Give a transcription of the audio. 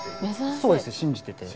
そうですね信じてて。